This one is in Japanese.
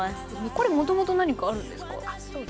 これもともと何かあるんですか？